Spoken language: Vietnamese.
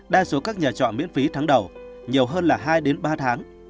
đa số các nhà chọn miễn phí tháng đầu nhiều hơn là hai đến ba tháng